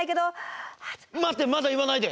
待ってまだ言わないで！